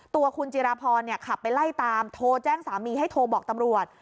ตัวคุณจิราพรขับไปไล่ตามโทรแจ้งสามีให้โทรบอกตำรวจ